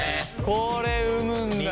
これ生むんだよ。